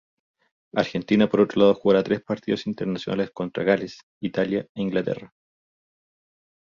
Argentina por otro lado jugará tres partidos internacionales contra Gales, Italia e Inglaterra.